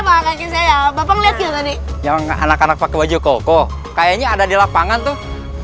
pakai saya bapak lihat tadi yang enggak anak anak pakai baju koko kayaknya ada di lapangan tuh